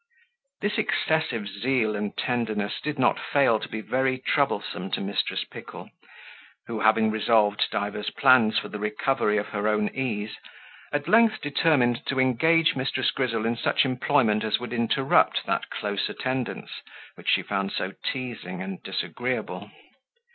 This excessive zeal and tenderness did not fail to be very troublesome to Mrs. Pickle, who, having resolved divers plans for the recovery of her own ease, at length determined to engage Mrs. Grizzle in such employment as would interrupt that close attendance, which she found so teasing and disagreeable.